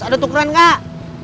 ada tukeran gak